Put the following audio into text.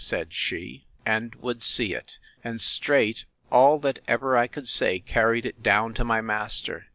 said she; and would see it: And strait, all that ever I could say, carried it down to my master.